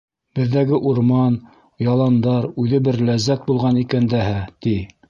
Беҙҙәге урман, яландар үҙе бер ләззәт булған икән дәһә, ти.